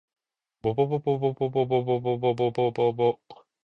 ぼぼぼぼぼぼぼぼぼぼ